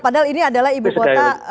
padahal ini adalah ibu kota